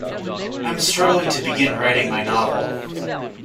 I'm struggling to begin writing my novel.